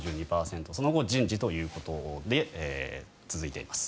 その後、人事ということで続いています。